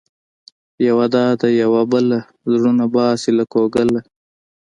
یوه دا ده يوه بله، زړونه باسې له ګوګله